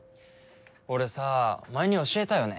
俺さ前に教えたよね。